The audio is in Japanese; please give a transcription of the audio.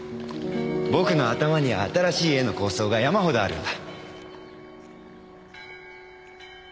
僕の頭には新しい絵の構想が山ほどあるんだ。